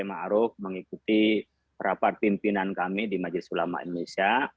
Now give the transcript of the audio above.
⁇ maruf ⁇ mengikuti rapat pimpinan kami di majelis ulama indonesia